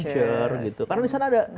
karena disana ada